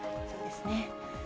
そうですね。